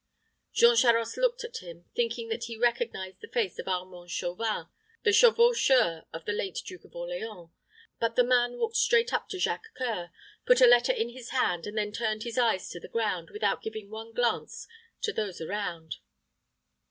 Jean Charost looked at him, thinking that he recognized the face of Armand Chauvin, the chevaucheur of the late Duke of Orleans; but the man walked straight up to Jacques C[oe]ur, put a letter in his hand, and then turned his eyes to the ground, without giving one glance to those around.